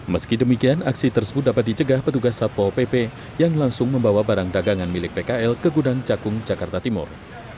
meski demikian aksi tersebut dapat dicegah petugas satpol pp yang langsung membawa barang dagangan milik pkl ke gudang cakung jakarta timur